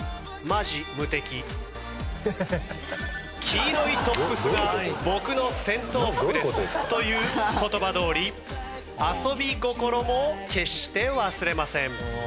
黄色いトップスが僕の戦闘服ですという言葉どおり遊び心も決して忘れません。